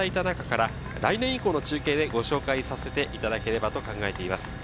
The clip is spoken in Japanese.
お送りいただいた中から来年以降の中継でご紹介させていただければと考えています。